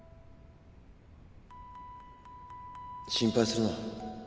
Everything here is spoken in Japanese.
心配するな。